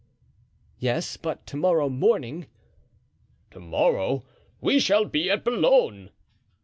"Yes, but to morrow morning——" "To morrow we shall be at Boulogne."